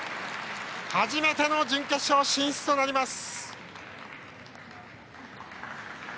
初めての準決勝進出となります！